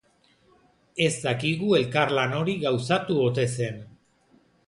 Ez dakigu elkarlan hori gauzatu ote zen.